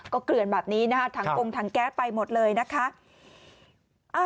ก็เกลื่อนแบบนี้นะคะถังกงถังแก๊สไปหมดเลยนะคะ